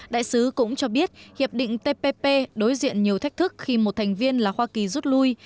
đại sứ cũng cho biết hiệp định tpp đối diện nhiều thách thức khi một thành viên là hoa kỳ rút lui